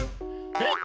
えっ？